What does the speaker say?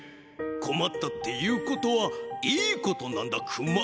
「こまった」っていうことはいいことなんだクマ。